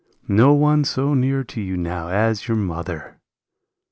No one so near to you now as your mother